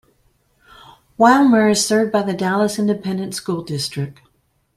Wilmer is served by the Dallas Independent School District.